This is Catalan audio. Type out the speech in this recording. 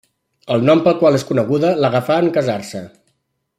El nom pel qual és coneguda l'agafà en casar-se.